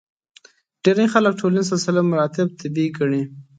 ډېری خلک ټولنیز سلسله مراتب طبیعي ګڼي.